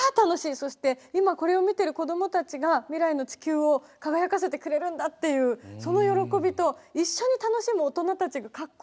そして今これを見ているこどもたちが未来の地球を輝かせてくれるんだっていうその喜びと一緒に楽しむ大人たちがかっこいいですね。